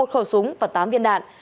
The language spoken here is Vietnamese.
một khẩu súng và tám viên đạn